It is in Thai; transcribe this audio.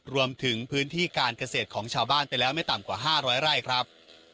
รวมถึงพื้นที่การเกษตรของชาวบ้านไปแล้วไม่ต่ำกว่า๕๐๐ไร่ครับ